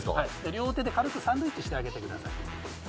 両手で軽くサンドイッチしてあげてください。